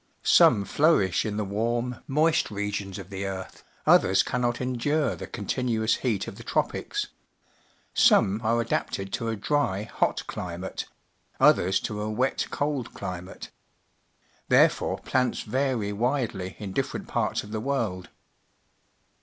Some flourish in the warm, moist regions of the earth; others cannot endure the contin uous heat of the tropics. Some are adapted to a dry, hot climate; others to a wet, cold climate. Therefore plants vary widely in different parts of the world.